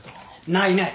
ないない。